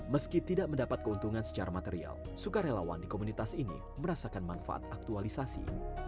meski tidak mendapat keuntungan secara material sukarelawan di komunitas ini merasakan manfaat aktualisasi